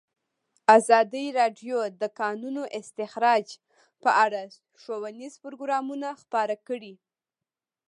ازادي راډیو د د کانونو استخراج په اړه ښوونیز پروګرامونه خپاره کړي.